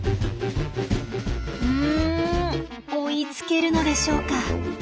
うん追いつけるのでしょうか？